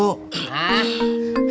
hentis berangkat hojek